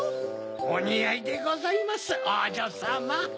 おにあいでございますおうじょさま。